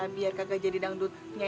bisa usap begini rambutnya